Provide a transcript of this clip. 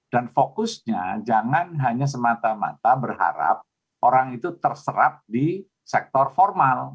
dan fokusnya jangan hanya semata mata berharap orang itu terserap di sektor formal